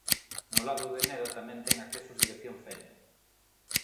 No lado de Neda tamén ten accesos dirección Fene.